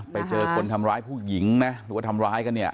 ไปเจอคนทำร้ายผู้หญิงนะหรือว่าทำร้ายกันเนี่ย